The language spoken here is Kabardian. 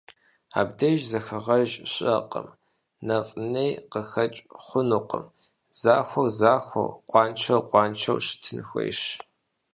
Абдеж зэхэгъэж щыӀэкъым, нэфӀ-ней къыхэкӀ хъунукъым: захуэр захуэу, къуаншэр къуаншэу щытын хуейщ.